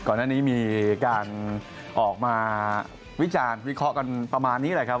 ก่อนหน้านี้มีการออกมาวิจารณ์วิเคราะห์กันประมาณนี้แหละครับ